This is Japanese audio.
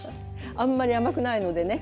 あんまり甘くないのでね